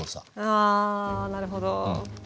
あなるほど。